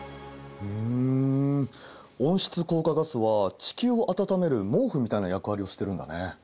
ん温室効果ガスは地球を暖める毛布みたいな役割をしてるんだね。